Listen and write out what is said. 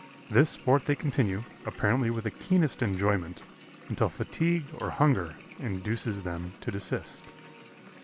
This sport they continue, apparently with the keenest enjoyment, until fatigue or hunger induces them to desist."